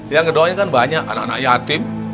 yang keduanya kan banyak anak anak yatim